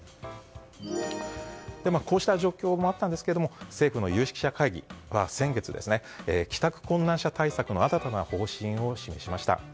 こうした状況もあったんですが政府の有識者会議は先月帰宅困難者対策の新たな方針を示しました。